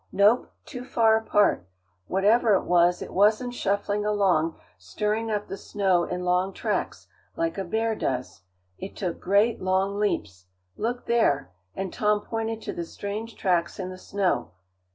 "Nope. Too far apart. Whatever it was, it wasn't shuffling along stirring up the snow in long tracks, like a bear does. It took great, long leaps. Look there," and Tom pointed to the strange tracks in the snow.